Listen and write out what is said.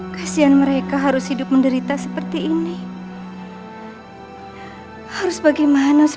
kamu percaya sama aku